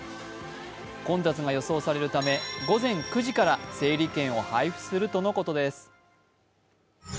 混雑が予想されるため、午前９時から整理券を配布するとのことです。